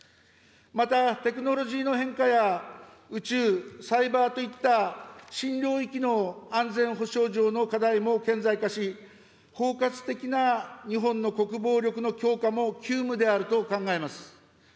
またテクノロジーの変化や、宇宙・サイバーといった新領域の安全保障上の課題も顕在化し、包括的な日本の国防力の強化も急務であると考えます。